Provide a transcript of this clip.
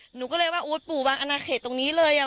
หนูก็เลยว่าอุ๊ยปู่วางอนาเขตตรงนี้เลยอ่ะ